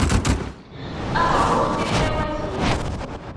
Ad ṛwuɣ tiḥlawatin.